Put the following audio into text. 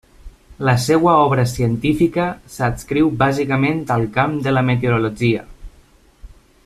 La seva obra científica s'adscriu bàsicament al camp de la meteorologia.